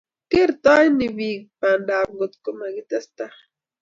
Kertoi ne bik bandaptai ngotkomakitesta